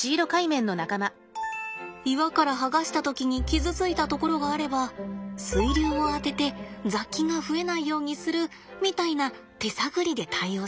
岩から剥がした時に傷ついたところがあれば水流を当てて雑菌が増えないようにするみたいな手探りで対応します。